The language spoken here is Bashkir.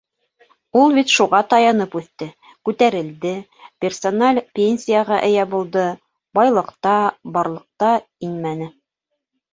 Ул бит шуға таянып үҫте, күтәрелде, персональ пенсияға эйә булды, байлыҡта, барлыҡта инмәне.